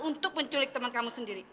untuk menculik teman kamu sendiri